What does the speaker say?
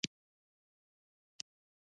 آیا انټرنیټ ارزانه دی؟